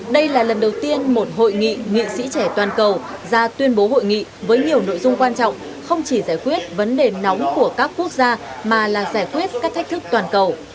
đây là lần đầu tiên một hội nghị nghị sĩ trẻ toàn cầu ra tuyên bố hội nghị với nhiều nội dung quan trọng không chỉ giải quyết vấn đề nóng của các quốc gia mà là giải quyết các thách thức toàn cầu